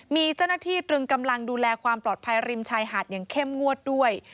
มีเจ้าหน้าที่ตรึงกำลังดูแลความปลอดภัยริมชายหาดอย่างเข้มงวดด้วย